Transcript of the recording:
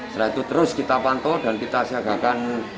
setelah itu terus kita pantau dan kita siagakan